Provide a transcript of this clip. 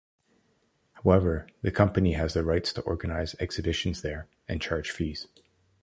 However, the company has the right to organise exhibitions there, and charge fees.